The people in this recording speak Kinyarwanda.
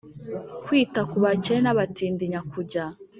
Kwita ku bakene n abatindi nyakujya